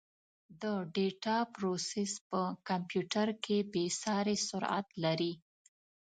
د ډیټا پروسس په کمپیوټر کې بېساري سرعت لري.